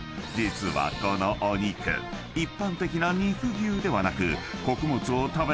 ［実はこのお肉一般的な肉牛ではなく］